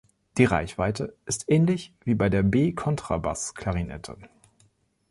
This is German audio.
Die Reichweite ist ähnlich wie bei der B-Kontrabassklarinette.